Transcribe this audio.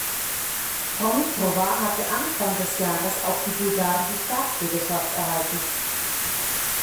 Frau Mitrova hatte Anfang des Jahres auch die bulgarische Staatsbürgerschaft erhalten.